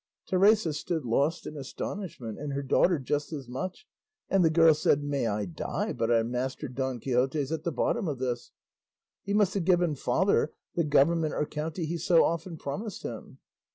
Teresa stood lost in astonishment, and her daughter just as much, and the girl said, "May I die but our master Don Quixote's at the bottom of this; he must have given father the government or county he so often promised him."